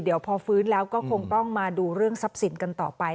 เดี๋ยวพอฟื้นแล้วก็คงต้องมาดูเรื่องทรัพย์สินกันต่อไป